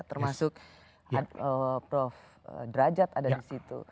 termasuk prof derajat ada di situ